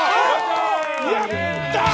やったー！